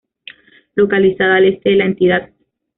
Localizada al este de la entidad.